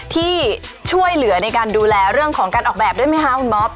ที่ช่วยเหลือในการดูแลเรื่องของการออกแบบด้วยไหมคะคุณบ๊อบ